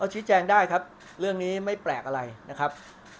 ชี้แจงได้ครับเรื่องนี้ไม่แปลกอะไรนะครับ